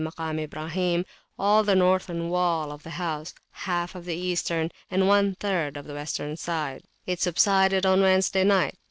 325] Makam Ibrahim, all the northern wall of the house, half of the eastern, and one third of the western side. It subsided on Wednesday night.